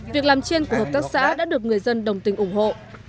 việc làm chiên của hợp tác xã đã được người dân đồng tình ủng hộ